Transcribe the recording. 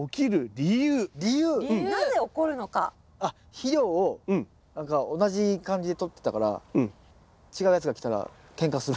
肥料をなんか同じ感じでとってたから違うやつが来たらケンカする。